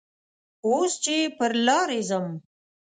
اوس چې پر لارې ځم